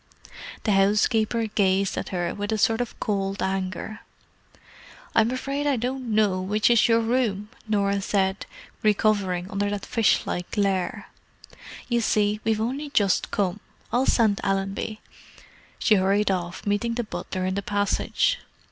The housekeeper gazed at her with a sort of cold anger. "I'm afraid I don't know which is your room," Norah said, recovering under that fish like glare. "You see, we've only just come. I'll send Allenby." She hurried off, meeting the butler in the passage.